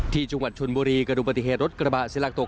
ที่จังหวัดชนบุรีกระดูกปฏิเหตุรถกระบะเสียหลักตก